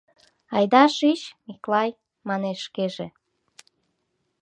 — Айда шич, Миклай, — манеш шкеже.